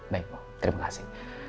baik bu terima kasih